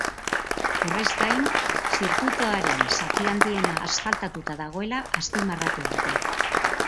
Horrez gain, zirkuitoaren zati handiena asfaltatuta dagoela azpimarratu dute.